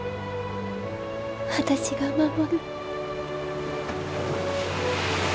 私が守る。